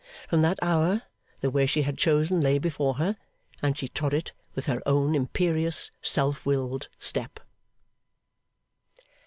From that hour the way she had chosen lay before her, and she trod it with her own imperious self willed step.